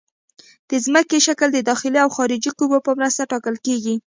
د ځمکې شکل د داخلي او خارجي قوو په مرسته ټاکل کیږي